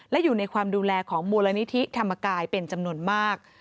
และอยู่ในความดูแลของมูลนิธิธรรมกายเป็นจำนวนมาก